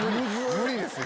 無理ですよ。